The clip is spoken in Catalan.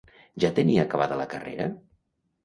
Ja tenia acabada la carrera?